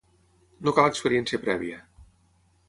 No cal experiència prèvia.